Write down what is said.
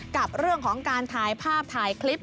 กับเรื่องของการถ่ายภาพถ่ายคลิป